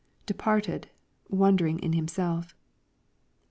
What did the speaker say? [Departed,,.w<mdering in himself.